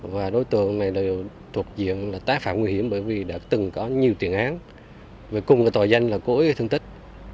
và đối tượng này được thuộc diện là tác phạm nguy hiểm bởi vì đã từng có nhiều tiền án về cùng tòa danh là cối thương tích